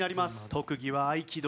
特技は合気道。